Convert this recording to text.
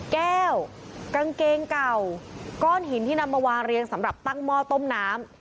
แก้วกางเกงเก่าก้อนหินที่นำมาวางเรียงสำหรับตั้งหม้อต้มน้ำ